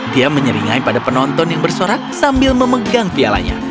dia menyeringai pada penonton yang bersorak sambil memegang pialanya